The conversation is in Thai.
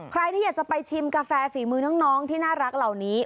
ใครที่อยากจะไปชิมกาแฟฝีมือน้องที่น่ารักเหล่านี้